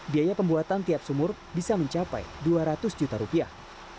biaya pembuatan tiap sumur bisa mencapai dua ratus juta rupiah